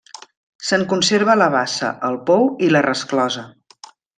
Se'n conserva la bassa, el pou i la resclosa.